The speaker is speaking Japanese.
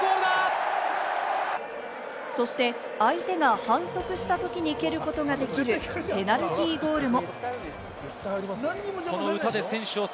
そして相手が反則したときに蹴ることができるペナルティーゴールも。